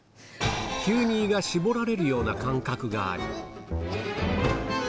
急に胃が絞られるような感覚があり。